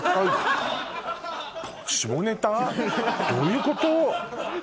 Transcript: どういうこと？